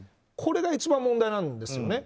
これが一番問題なんですよ。